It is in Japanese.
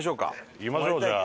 行きましょうじゃあ。